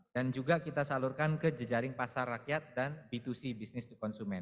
dan juga kita salurkan ke jejaring pasar rakyat dan b dua c business to consumers